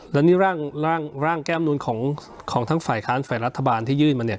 และนี่ร่างแก้มนุนของทั้งฝ่ายค้านฝ่ายรัฐบาลที่ยื่นมาเนี่ย